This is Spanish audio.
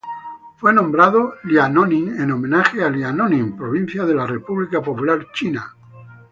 Fue nombrado Liaoning en homenaje a Liaoning provincia de la República Popular China.